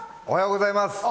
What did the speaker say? おはようございます。